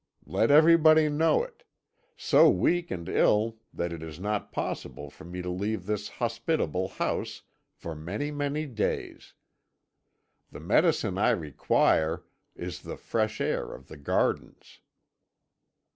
Let everybody know it so weak and ill that it is not possible for me to leave this hospitable house for many, many days. The medicine I require is the fresh air of the gardens.